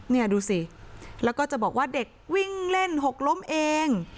เนี่ยดูสิแล้วก็จะบอกว่าเด็กวิ่งเล่นหกล้มเอง